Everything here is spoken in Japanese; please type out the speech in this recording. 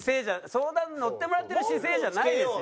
相談にのってもらってる姿勢じゃないですよ。